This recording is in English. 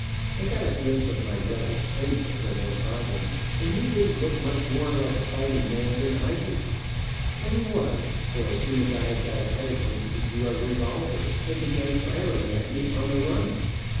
I got a glimpse of my rebel's, face as I went by him, and he didn't look much more like a fighting man than I did, but he was, for as soon as I had got ahead of him he drew a revolver and began firing at me on the run.